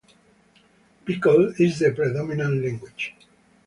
Bikol is the predominant language.